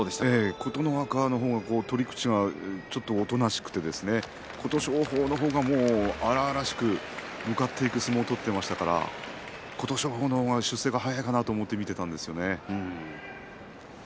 琴ノ若の方が取り口がちょっとおとなしくて琴勝峰の方が荒々しく向かっていく相撲を取っていましたから琴勝峰の方が出世が早いかなと思って見ていたんですよね。